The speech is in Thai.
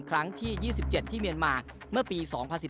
ครั้งที่๒๗ที่เมียนมาเมื่อปี๒๐๑๙